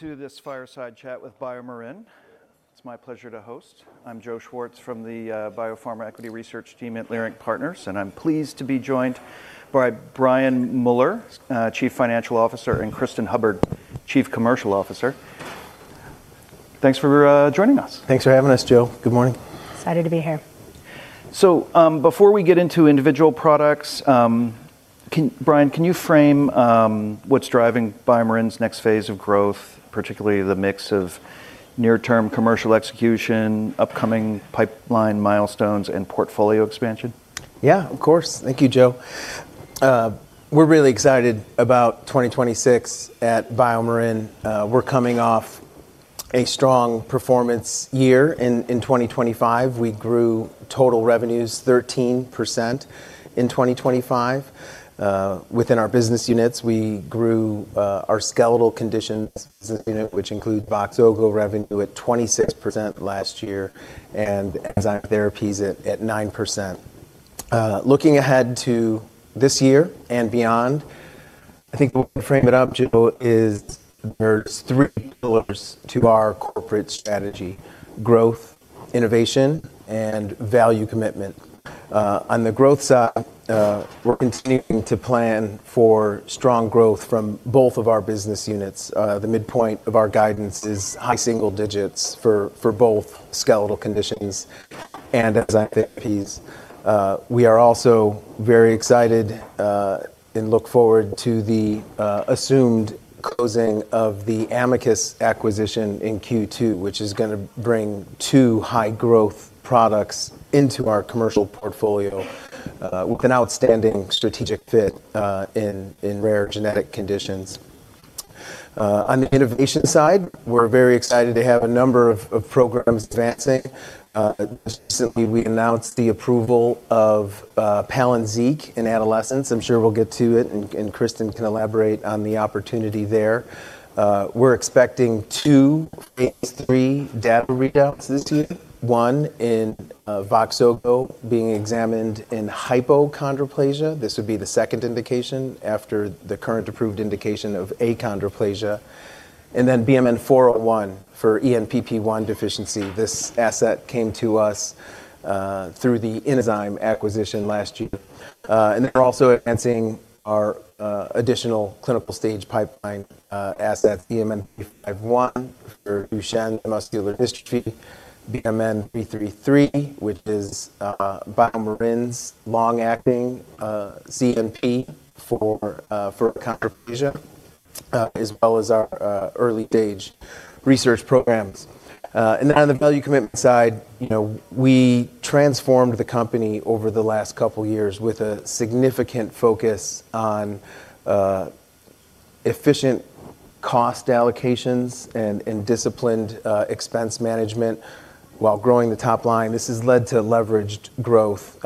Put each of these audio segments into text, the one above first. To this fireside chat with BioMarin. It's my pleasure to host. I'm Joe Schwartz from the BioPharma Equity Research team at Leerink Partners. I'm pleased to be joined by Brian Mueller, Chief Financial Officer, and Cristin Hubbard, Chief Commercial Officer. Thanks for joining us. Thanks for having us, Joe. Good morning. Excited to be here. Before we get into individual products, Brian, can you frame what's driving BioMarin's next phase of growth, particularly the mix of near-term commercial execution, upcoming pipeline milestones, and portfolio expansion? Yeah, of course. Thank you, Joe. We're really excited about 2026 at BioMarin. We're coming off a strong performance year in 2025. We grew total revenues 13% in 2025. Within our business units, we grew our Skeletal Conditions unit, which include VOXZOGO revenue at 26% last year and Enzyme Therapies at 9%. Looking ahead to this year and beyond, I think we'll frame it up, Joe, is there's three pillars to our corporate strategy: growth, innovation, and value commitment. On the growth side, we're continuing to plan for strong growth from both of our business units. The midpoint of our guidance is high single digits for both Skeletal Conditions and Enzyme Therapies. We are also very excited, and look forward to the assumed closing of the Amicus acquisition in Q2, which is gonna bring two high-growth products into our commercial portfolio, with an outstanding strategic fit, in rare genetic conditions. On the innovation side, we're very excited to have a number of programs advancing. Just recently, we announced the approval of PALYNZIQ in adolescents. I'm sure we'll get to it, and Cristin can elaborate on the opportunity there. We're expecting two phase III data readouts this year, one in VOXZOGO being examined in hypochondroplasia. This would be the second indication after the current approved indication of achondroplasia. BMN 401 for ENPP1 deficiency. This asset came to us through the Inozyme acquisition last year. We're also advancing our, additional clinical stage pipeline, asset BMN 351 for Duchenne muscular dystrophy, BMN 333, which is, BioMarin's long-acting, CNP for achondroplasia, as well as our, early-stage research programs. On the value commitment side, you know, we transformed the company over the last couple years with a significant focus on, efficient cost allocations and disciplined, expense management while growing the top line. This has led to leveraged growth.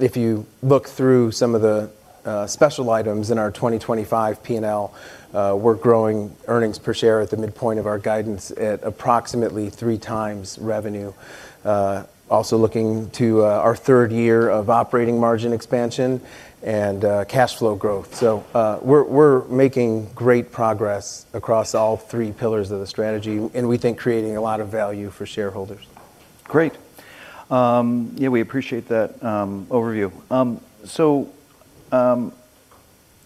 If you look through some of the, special items in our 2025 P&L, we're growing earnings per share at the midpoint of our guidance at approximately 3x revenue. Also looking to, our third year of operating margin expansion and, cash flow growth. We're making great progress across all three pillars of the strategy, and we think creating a lot of value for shareholders. Great. Yeah, we appreciate that overview.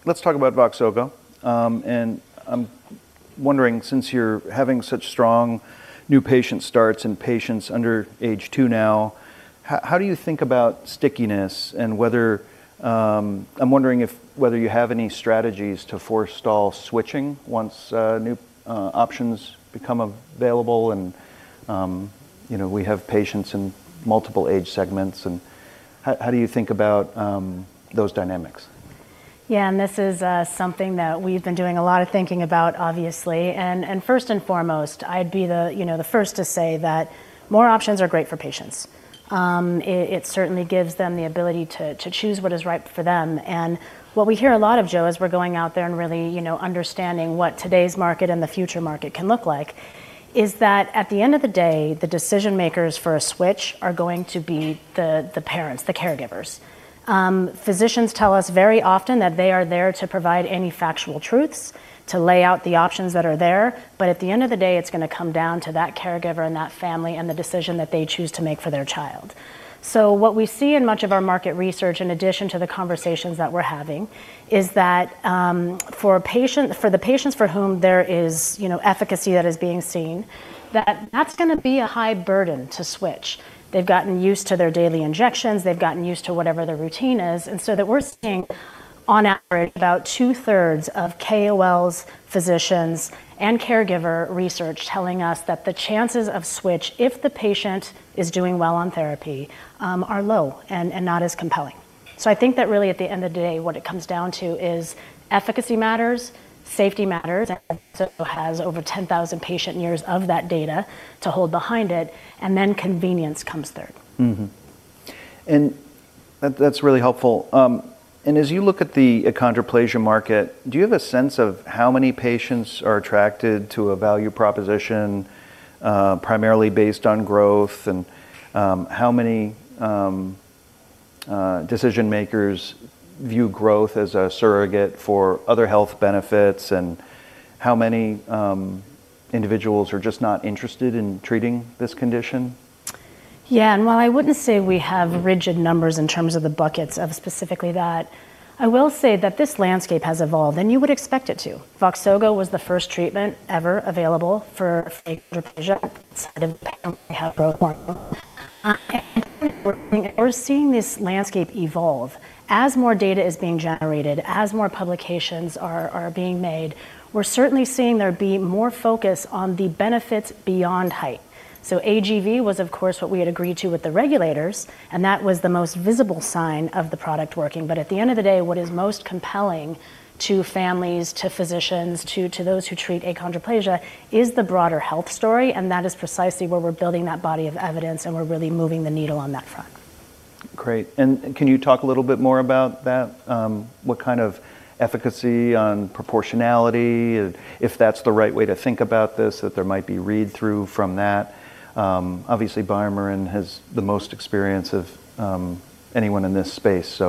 Let's talk about VOXZOGO. I'm wondering, since you're having such strong new patient starts and patients under age two now, how do you think about stickiness and whether you have any strategies to forestall switching once new options become available and you know, we have patients in multiple age segments, and how do you think about those dynamics? Yeah. This is something that we've been doing a lot of thinking about, obviously. First and foremost, I'd be the, you know, the first to say that more options are great for patients. It, it certainly gives them the ability to choose what is right for them. What we hear a lot of, Joe, is we're going out there and really, you know, understanding what today's market and the future market can look like, is that at the end of the day, the decision-makers for a switch are going to be the parents, the caregivers. Physicians tell us very often that they are there to provide any factual truths, to lay out the options that are there, but at the end of the day, it's gonna come down to that caregiver and that family and the decision that they choose to make for their child. What we see in much of our market research, in addition to the conversations that we're having, is that, for the patients for whom there is, you know, efficacy that is being seen, that that's gonna be a high burden to switch. They've gotten used to their daily injections. They've gotten used to whatever their routine is. That we're seeing on average about 2/3 of KOLs, physicians, and caregiver research telling us that the chances of switch, if the patient is doing well on therapy, are low and not as compelling. I think that really at the end of the day, what it comes down to is efficacy matters, safety matters, and so has over 10,000 patient years of that data to hold behind it, and then convenience comes third. That's really helpful. As you look at the achondroplasia market, do you have a sense of how many patients are attracted to a value proposition, primarily based on growth and how many decision makers view growth as a surrogate for other health benefits and how many individuals are just not interested in treating this condition? While I wouldn't say we have rigid numbers in terms of the buckets of specifically that, I will say that this landscape has evolved, and you would expect it to. VOXZOGO was the first treatment ever available for achondroplasia outside of growth hormone. We're seeing this landscape evolve. As more data is being generated, as more publications are being made, we're certainly seeing there be more focus on the benefits beyond height. AGV was of course what we had agreed to with the regulators, and that was the most visible sign of the product working. At the end of the day, what is most compelling to families, to physicians, to those who treat achondroplasia is the broader health story, and that is precisely where we're building that body of evidence, and we're really moving the needle on that front. Great. can you talk a little bit more about that? What kind of efficacy on proportionality, if that's the right way to think about this, that there might be read-through from that? Obviously, BioMarin has the most experience of anyone in this space.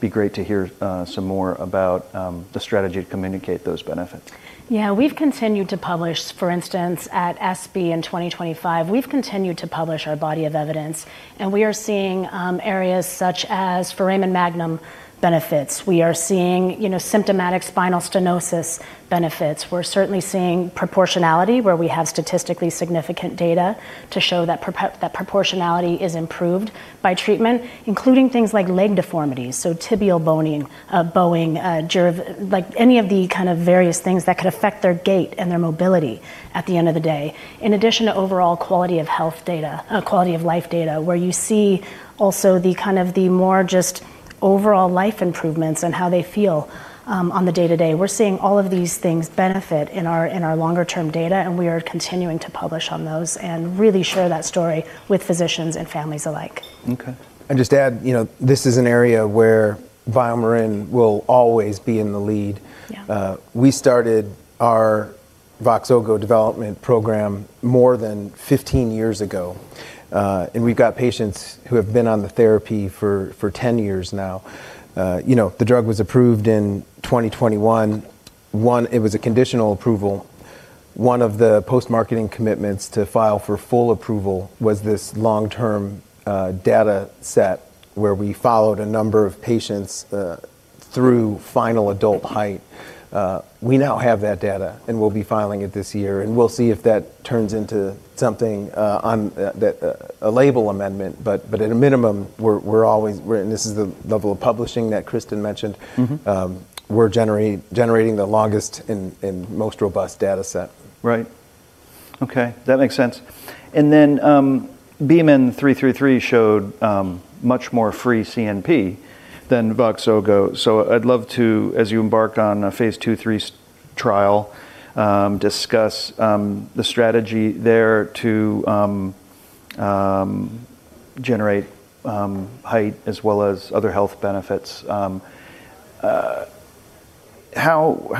be great to hear some more about the strategy to communicate those benefits. Yeah. We've continued to publish, for instance, at ASBMR in 2025, we've continued to publish our body of evidence, and we are seeing areas such as foramen magnum benefits. We are seeing, you know, symptomatic spinal stenosis benefits. We're certainly seeing proportionality, where we have statistically significant data to show that proportionality is improved by treatment, including things like leg deformities, so tibial bowing, like any of the kind of various things that could affect their gait and their mobility at the end of the day. In addition to overall quality of life data, where you see also the kind of the more just overall life improvements and how they feel on the day to day. We're seeing all of these things benefit in our longer term data, and we are continuing to publish on those and really share that story with physicians and families alike. Okay. Just to add, you know, this is an area where BioMarin will always be in the lead. Yeah. We started our VOXZOGO development program more than 15 years ago. We've got patients who have been on the therapy for 10 years now. You know, the drug was approved in 2021. It was a conditional approval. One of the post-marketing commitments to file for full approval was this long-term data set where we followed a number of patients through final adult height. We now have that data, and we'll be filing it this year, and we'll see if that turns into something on a label amendment. At a minimum, we're always and this is the level of publishing that Cristin mentioned. Mm-hmm. We're generating the longest and most robust data set. Right. Okay. That makes sense. BMN 333 showed much more free CNP than VOXZOGO. I'd love to, as you embarked on a phase II/III seamless design trial, discuss the strategy there to generate height as well as other health benefits. How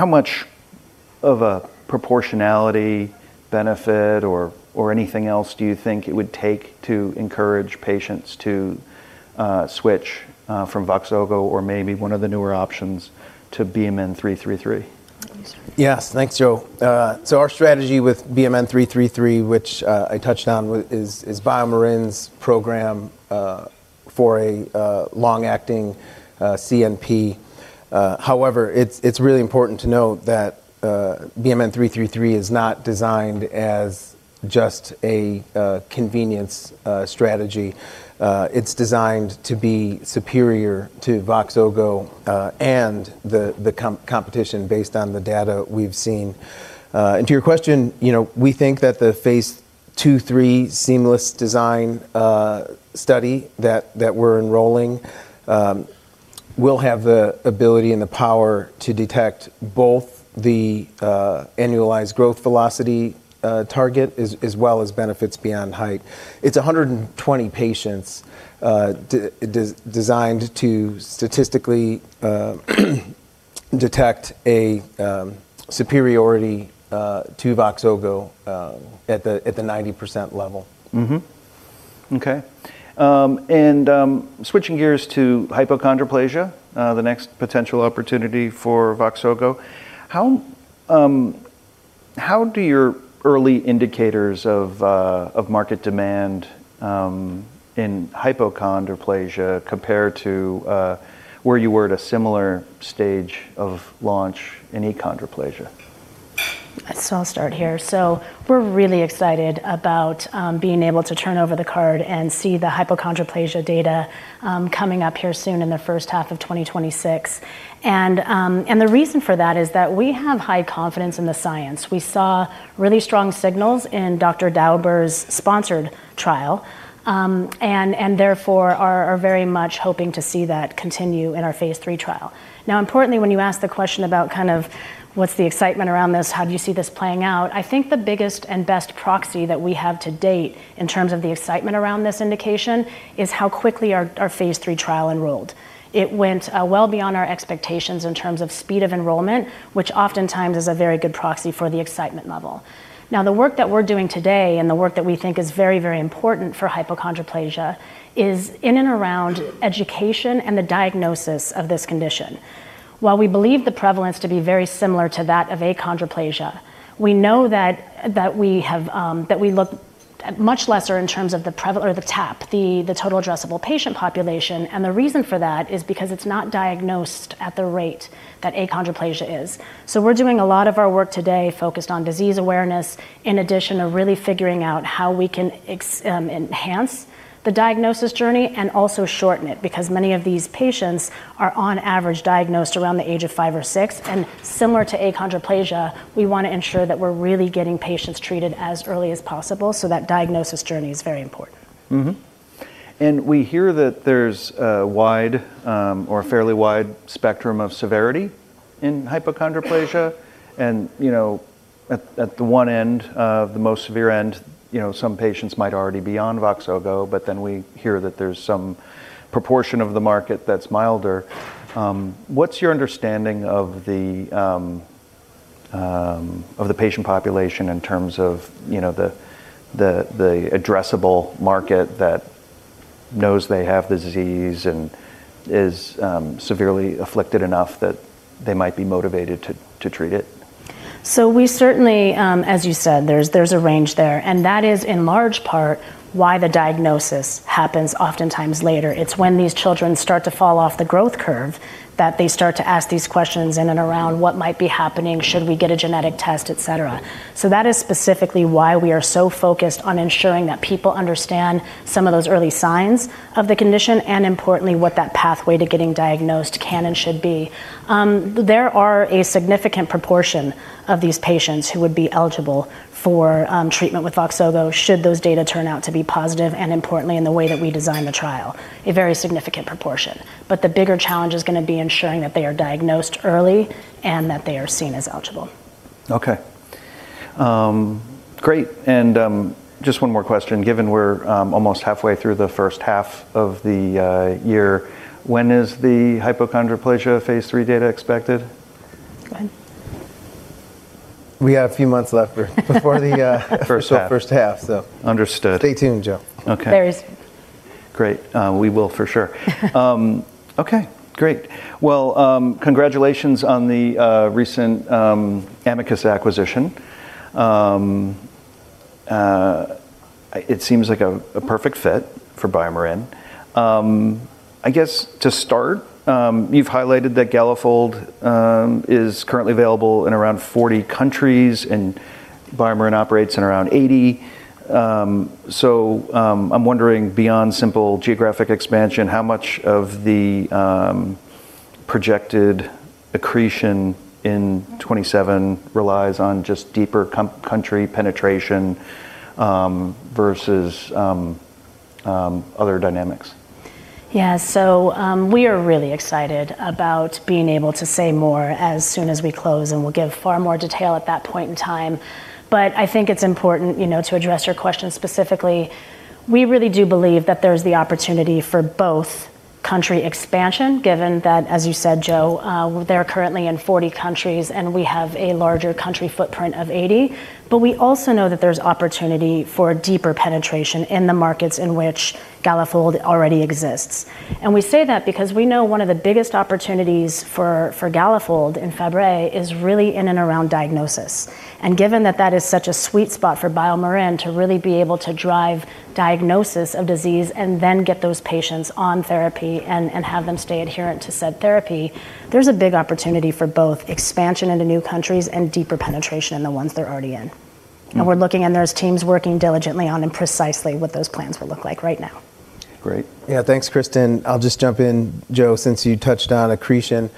much of a proportionality benefit or anything else do you think it would take to encourage patients to switch from VOXZOGO or maybe one of the newer options to BMN 333? You start. Yes. Thanks, Joe. Our strategy with BMN 333, which, I touched on, is BioMarin's program for a long-acting CNP. It's really important to note that BMN 333 is not designed as just a convenience strategy. It's designed to be superior to VOXZOGO and the competition based on the data we've seen. To your question, you know, we think that the phase II/III seamless design study that we're enrolling will have the ability and the power to detect both the annualized growth velocity, target as well as benefits beyond height. It's 120 patients designed to statistically detect a superiority to VOXZOGO at the 90% level. Okay. Switching gears to hypochondroplasia, the next potential opportunity for VOXZOGO. How do your early indicators of market demand in hypochondroplasia compare to where you were at a similar stage of launch in achondroplasia? I'll start here. We're really excited about being able to turn over the card and see the hypochondroplasia data coming up here soon in the first half of 2026. The reason for that is that we have high confidence in the science. We saw really strong signals in Dr. Dauber's sponsored trial, and therefore are very much hoping to see that continue in our phase III trial. Importantly, when you ask the question about kind of what's the excitement around this, how do you see this playing out, I think the biggest and best proxy that we have to date in terms of the excitement around this indication is how quickly our phase III trial enrolled. It went well beyond our expectations in terms of speed of enrollment, which oftentimes is a very good proxy for the excitement level. The work that we're doing today and the work that we think is very, very important for hypochondroplasia is in and around education and the diagnosis of this condition. While we believe the prevalence to be very similar to that of achondroplasia, we know that we have that we look at much lesser in terms of the TAP, the total addressable patient population. The reason for that is because it's not diagnosed at the rate that achondroplasia is. We're doing a lot of our work today focused on disease awareness in addition to really figuring out how we can enhance the diagnosis journey and also shorten it because many of these patients are on average diagnosed around the age of five or six. Similar to achondroplasia, we wanna ensure that we're really getting patients treated as early as possible so that diagnosis journey is very important. Mm-hmm. We hear that there's a wide, or fairly wide spectrum of severity in hypochondroplasia. You know, at the one end of the most severe end, you know, some patients might already be on VOXZOGO, we hear that there's some proportion of the market that's milder. What's your understanding of the patient population in terms of, you know, the, the addressable market that knows they have the disease and is severely afflicted enough that they might be motivated to treat it? We certainly, as you said, there's a range there, and that is in large part why the diagnosis happens oftentimes later. It's when these children start to fall off the growth curve that they start to ask these questions in and around what might be happening, should we get a genetic test, et cetera. That is specifically why we are so focused on ensuring that people understand some of those early signs of the condition and importantly what that pathway to getting diagnosed can and should be. There are a significant proportion of these patients who would be eligible for treatment with VOXZOGO should those data turn out to be positive and importantly in the way that we design the trial, a very significant proportion. The bigger challenge is gonna be ensuring that they are diagnosed early and that they are seen as eligible. Okay, great. Just one more question, given we're almost halfway through the first half of the year, when is the hypochondroplasia phase III data expected? Go ahead. We have a few months left before the- First half -first half, so. Understood. Stay tuned, Joe. Okay. There is- Great. We will for sure. Okay, great. Well, congratulations on the recent Amicus acquisition. I, it seems like a perfect fit for BioMarin. I guess to start, you've highlighted that Galafold is currently available in around 40 countries and BioMarin operates in around 80. I'm wondering, beyond simple geographic expansion, how much of the projected accretion in 2027 relies on just deeper country penetration versus other dynamics? We are really excited about being able to say more as soon as we close, and we'll give far more detail at that point in time. I think it's important, you know, to address your question specifically. We really do believe that there's the opportunity for both country expansion, given that, as you said, Joe, they're currently in 40 countries and we have a larger country footprint of 80, but we also know that there's opportunity for deeper penetration in the markets in which Galafold already exists. We say that because we know one of the biggest opportunities for Galafold and Fabry is really in and around diagnosis. Given that that is such a sweet spot for BioMarin to really be able to drive diagnosis of disease and then get those patients on therapy and have them stay adherent to said therapy, there's a big opportunity for both expansion into new countries and deeper penetration in the ones they're already in. Mm. We're looking and there's teams working diligently on and precisely what those plans will look like right now. Great. Yeah. Thanks, Cristin. I'll just jump in, Joe, since you touched on accretion.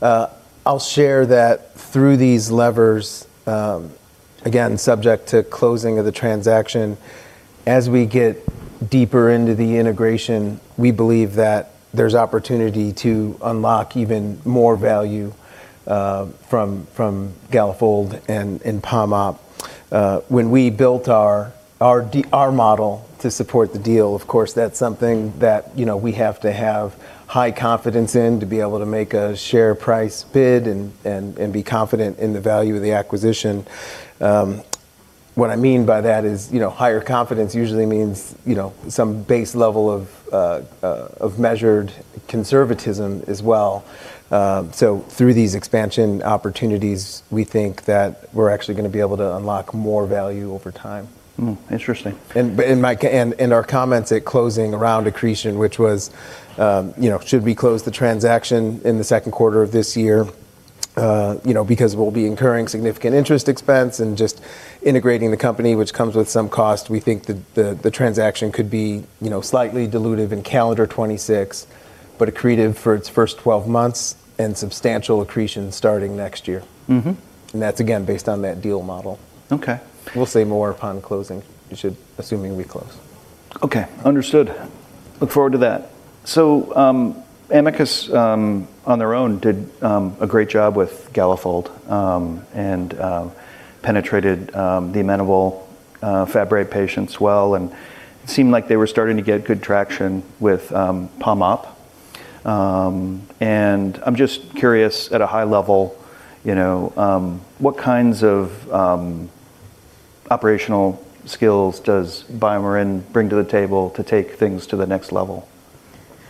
I'll share that through these levers, again, subject to closing of the transaction, as we get deeper into the integration, we believe that there's opportunity to unlock even more value, from Galafold and Pompe. When we built our model to support the deal, of course, that's something that, you know, we have to have high confidence in to be able to make a share price bid and be confident in the value of the acquisition. What I mean by that is, you know, higher confidence usually means, you know, some base level of measured conservatism as well. Through these expansion opportunities, we think that we're actually gonna be able to unlock more value over time. Interesting. In our comments at closing around accretion, which was, you know, should we close the transaction in the second quarter of this year, you know, because we'll be incurring significant interest expense and just integrating the company, which comes with some cost, we think that the transaction could be, you know, slightly dilutive in calendar 2026, but accretive for its first 12 months and substantial accretion starting next year. Mm-hmm. That's again, based on that deal model. Okay. We'll say more upon closing, assuming we close. Okay. Understood. Look forward to that. Amicus on their own did a great job with Galafold and penetrated the amenable Fabry patients well, and it seemed like they were starting to get good traction with Pompe. And I'm just curious at a high level, you know, what kinds of operational skills does BioMarin bring to the table to take things to the next level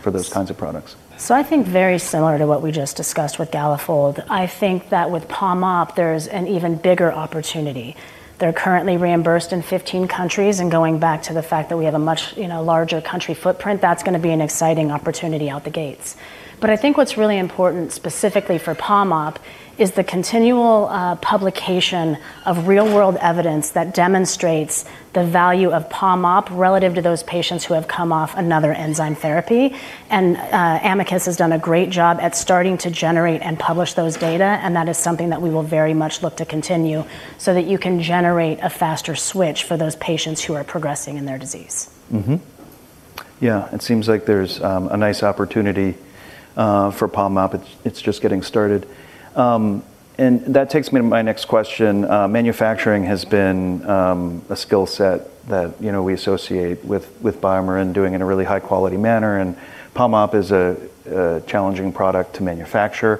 for those kinds of products? I think very similar to what we just discussed with Galafold, I think that with Pompe, there's an even bigger opportunity. They're currently reimbursed in 15 countries. Going back to the fact that we have a much, you know, larger country footprint, that's gonna be an exciting opportunity out the gates. I think what's really important specifically for Pompe is the continual publication of real-world evidence that demonstrates the value of Pompe relative to those patients who have come off another enzyme therapy. Amicus has done a great job at starting to generate and publish those data, and that is something that we will very much look to continue so that you can generate a faster switch for those patients who are progressing in their disease. Yeah. It seems like there's a nice opportunity for Pompe. It's just getting started. And that takes me to my next question. Manufacturing has been a skill set that, you know, we associate with BioMarin doing in a really high-quality manner, and Pompe is a challenging product to manufacture.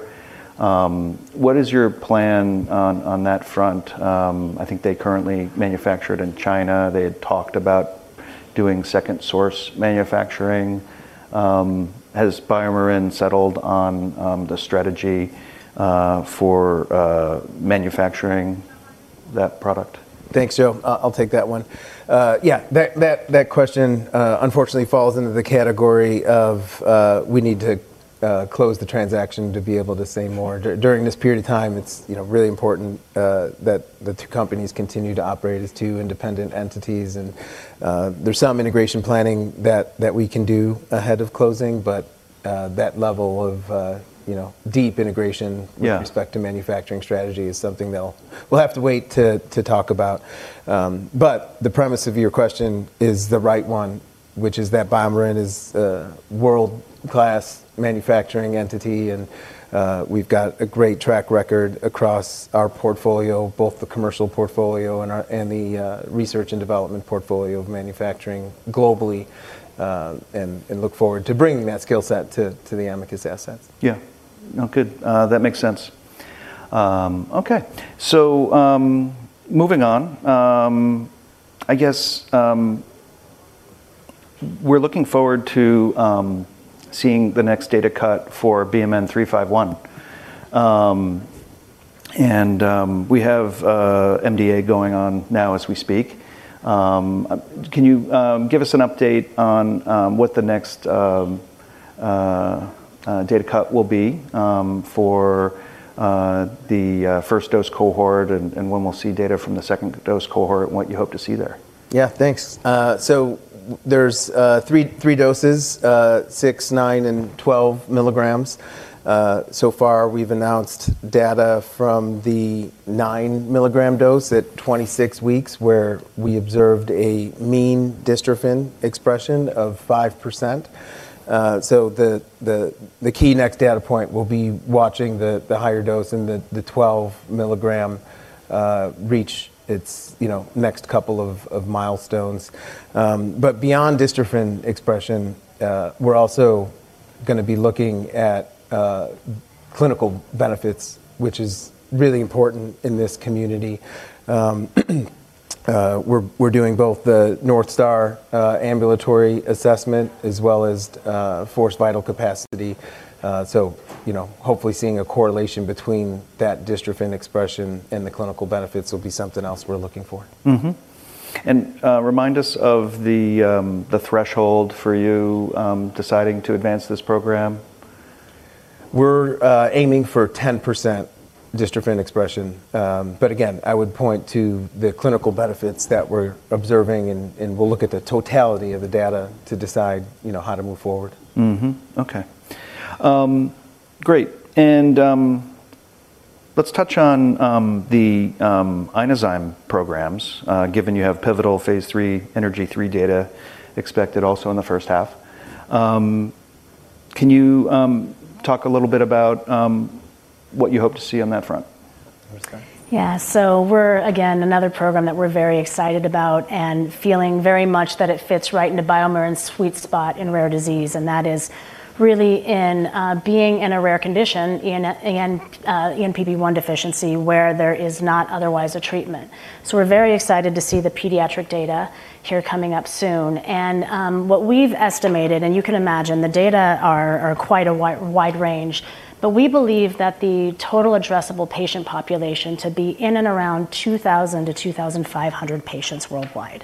What is your plan on that front? I think they currently manufacture it in China. They had talked about doing second source manufacturing. Has BioMarin settled on the strategy for manufacturing that product? Thanks, Joe. I'll take that one. Yeah, that question unfortunately falls into the category of, we need to close the transaction to be able to say more. During this period of time, it's, you know, really important that the two companies continue to operate as two independent entities. There's some integration planning that we can do ahead of closing, but that level of, you know, deep integration- Yeah -with respect to manufacturing strategy is something that'll we'll have to wait to talk about. But the premise of your question is the right one, which is that BioMarin is a world-class manufacturing entity, and we've got a great track record across our portfolio, both the commercial portfolio and our and the research and development portfolio of manufacturing globally, and look forward to bringing that skill set to the Amicus assets. Yeah. No, good. That makes sense. Okay. Moving on, I guess, we're looking forward to seeing the next data cut for BMN 351. We have MDA going on now as we speak. Can you give us an update on what the next data cut will be for the first dose cohort and when we'll see data from the second dose cohort and what you hope to see there? Yeah, thanks. There's 3 doses, 6, 9, and 12 mg. So far we've announced data from the 9-mg dose at 26 weeks where we observed a mean dystrophin expression of 5%. The key next data point will be watching the higher dose and the 12 mg reach its, you know, next couple of milestones. Beyond dystrophin expression, we're also gonna be looking at clinical benefits, which is really important in this community. We're doing both the North Star Ambulatory Assessment as well as forced vital capacity. You know, hopefully seeing a correlation between that dystrophin expression and the clinical benefits will be something else we're looking for. Remind us of the threshold for you deciding to advance this program? We're aiming for 10% dystrophin expression. Again, I would point to the clinical benefits that we're observing and we'll look at the totality of the data to decide, you know, how to move forward. Mm-hmm. Okay. Great. Let's touch on the Inozyme programs, given you have pivotal phase III, ENERGY 3 data expected also in the first half. Can you talk a little bit about what you hope to see on that front? You wanna start? Yeah. Again, another program that we're very excited about and feeling very much that it fits right into BioMarin's sweet spot in rare disease, and that is really in being in a rare condition, ENPP1 Deficiency, where there is not otherwise a treatment. We're very excited to see the pediatric data here coming up soon. What we've estimated, and you can imagine, the data are quite a wide range, but we believe that the total addressable patient population to be in and around 2,000-2,500 patients worldwide.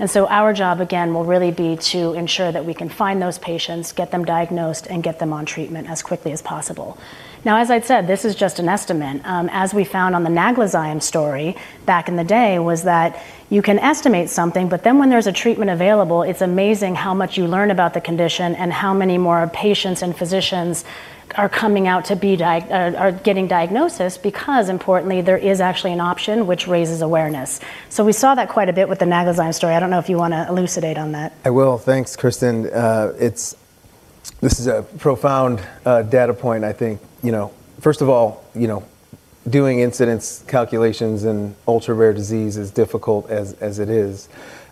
Our job, again, will really be to ensure that we can find those patients, get them diagnosed, and get them on treatment as quickly as possible. Now, as I'd said, this is just an estimate. As we found on the NAGLAZYME story back in the day was that you can estimate something, but then when there's a treatment available, it's amazing how much you learn about the condition and how many more patients and physicians are coming out to be getting diagnosis because importantly, there is actually an option which raises awareness. We saw that quite a bit with the NAGLAZYME story. I don't know if you wanna elucidate on that. I will. Thanks, Cristin. This is a profound data point, I think, you know. First of all, you know, doing incidence calculations in ultra-rare disease is difficult as it is,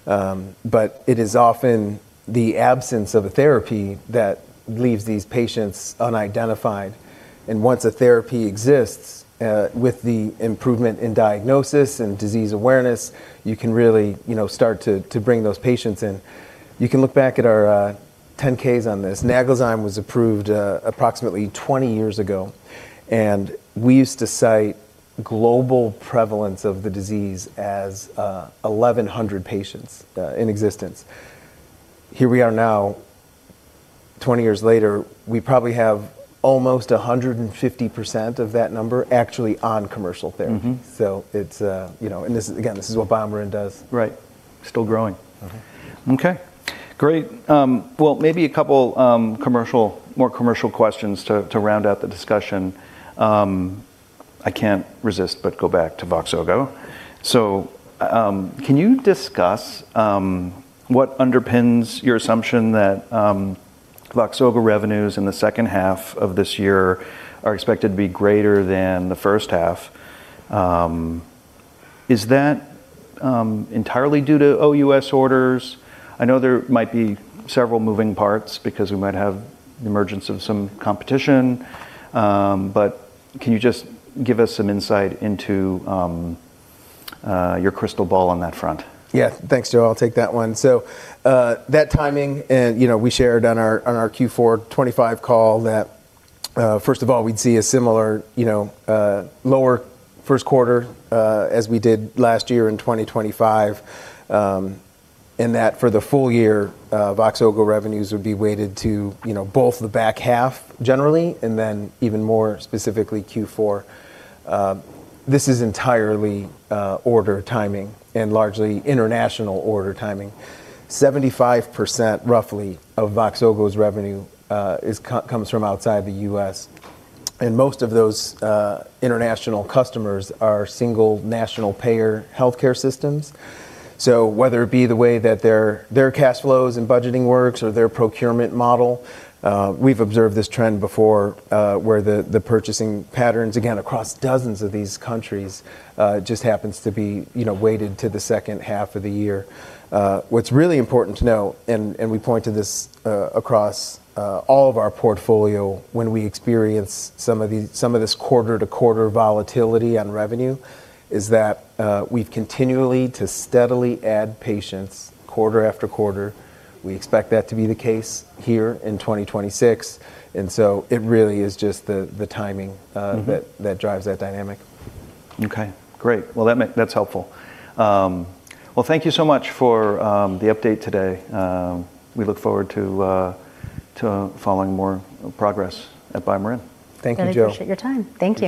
but it is often the absence of a therapy that leaves these patients unidentified. Once a therapy exists, with the improvement in diagnosis and disease awareness, you can really, you know, start to bring those patients in. You can look back at our 10-Ks on this. NAGLAZYME was approved approximately 20 years ago, and we used to cite global prevalence of the disease as 1,100 patients in existence. Here we are now, 20 years later, we probably have almost 150% of that number actually on commercial therapy. Mm-hmm. It's, you know, and this is again, this is what BioMarin does. Right. Still growing. Mm-hmm. Okay, great. Well, maybe a couple, more commercial questions to round out the discussion. I can't resist but go back to VOXZOGO. Can you discuss what underpins your assumption that VOXZOGO revenues in the second half of this year are expected to be greater than the first half? Is that entirely due to OUS orders? I know there might be several moving parts because we might have the emergence of some competition, can you just give us some insight into your crystal ball on that front? Yeah. Thanks, Joe. I'll take that one. That timing and, you know, we shared on our Q4 2025 call that, first of all, we'd see a similar, you know, lower first quarter as we did last year in 2025. That for the full year, VOXZOGO revenues would be weighted to, you know, both the back half generally and then even more specifically Q4. This is entirely order timing and largely international order timing. 75% roughly of VOXZOGO's revenue comes from outside the U.S., and most of those international customers are single national payer healthcare systems. Whether it be the way that their cash flows and budgeting works or their procurement model, we've observed this trend before, where the purchasing patterns again across dozens of these countries, just happens to be, you know, weighted to the second half of the year. What's really important to know and we point to this across all of our portfolio when we experience some of this quarter-to-quarter volatility on revenue, is that we've continually to steadily add patients quarter after quarter. We expect that to be the case here in 2026, it really is just the timing- Mm-hmm -that drives that dynamic. Okay, great. Well that's helpful. Well, thank you so much for the update today. We look forward to following more progress at BioMarin. Thank you, Joe. I appreciate your time. Thank you.